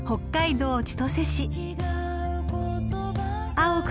［青く